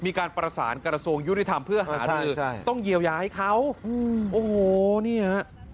มีการประสานกรสงค์ยูนิธรรมเพื่อหารือต้องเยียวย้ายเขาอืมโอ้โหเนี่ย